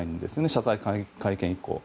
謝罪会見以降。